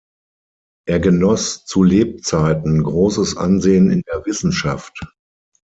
Er genoss zu Lebzeiten großes Ansehen in der Wissenschaft.